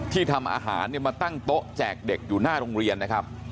ทำอาหารเนี่ยมาตั้งโต๊ะแจกเด็กอยู่หน้าโรงเรียนนะครับ